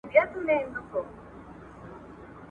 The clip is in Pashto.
دا د نغدو پیسو زور دی چي ژړیږي ..